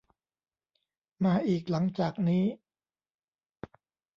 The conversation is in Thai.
มาอีกหลังจากนี้